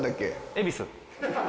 恵比寿。